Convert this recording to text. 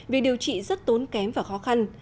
vì điều trị rất tốn kém và khó khăn